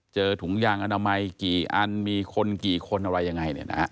ถุงยางอนามัยกี่อันมีคนกี่คนอะไรยังไง